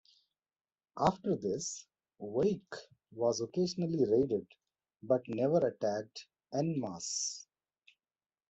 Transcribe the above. After this, Wake was occasionally raided but never attacked "en masse".